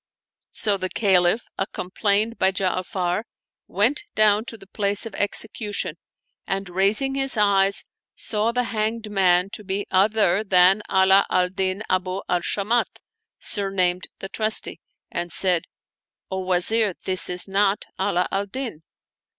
So the Caliph, ac complained by Ja'afar went down to the place of execu tion and, raising his eyes, saw the hanged man to be other than Ala al Din Abu al Shamat, sumamed the Trusty, and said, " O Wazir, this is not Ala al Din